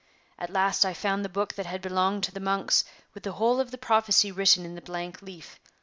At last I found the book that had belonged to the monks with the whole of the prophecy written in the blank leaf.